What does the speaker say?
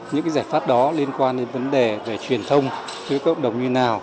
những giải pháp đó liên quan đến vấn đề về truyền thông